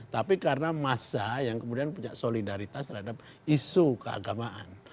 tapi karena massa yang kemudian punya solidaritas terhadap isu keagamaan